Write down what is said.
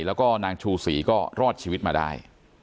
แล้วก็นางชูศรีก็รอดชีวิตมาได้